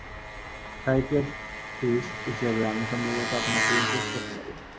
Psychiatrist হিসেবে আমি সম্ভবত আপনাকে ইমপ্রেস করতে পারি নি!